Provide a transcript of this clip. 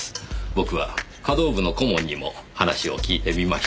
僕は華道部の顧問にも話を聞いてみました。